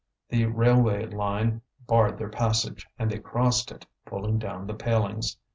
The railway line barred their passage, and they crossed it, pulling down the palings.